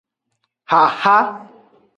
Xaxa.